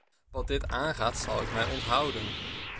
Wat dit aangaat zal ik mij onthouden.